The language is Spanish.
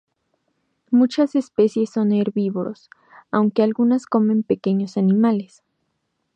Muchas especies son herbívoros, aunque algunas comen pequeños animales.